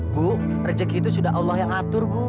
bu rejeki itu sudah allah yang atur bu